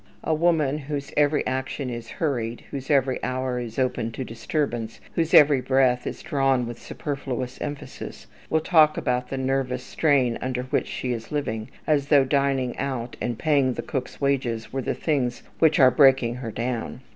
A woman whose every action is hurried, whose every hour is open to disturbance, whose every breath is drawn with superfluous emphasis, will talk about the nervous strain under which she is living, as though dining out and paying the cook's wages were the things which are breaking her down.